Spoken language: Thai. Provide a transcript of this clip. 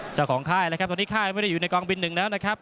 ค่ายแล้วครับตอนนี้ค่ายไม่ได้อยู่ในกองบินหนึ่งแล้วนะครับ